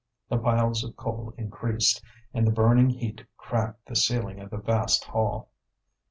The piles of coal increased, and the burning heat cracked the ceiling of the vast hall.